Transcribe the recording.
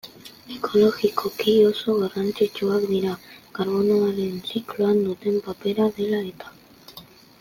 Ekologikoki oso garrantzitsuak dira, karbonoaren zikloan duten papera dela eta.